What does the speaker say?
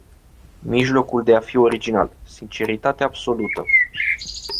Mijlocul de a fi original: sinceritate absolută.